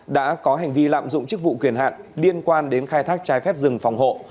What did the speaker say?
đã có hành vi lạm dụng chức vụ quyền hạn liên quan đến khai thác trái phép rừng phòng hộ